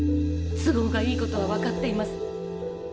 都合がいい事は分かっています。